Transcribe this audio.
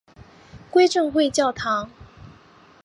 归正会教堂。